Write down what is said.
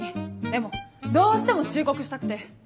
でもどうしても忠告したくて。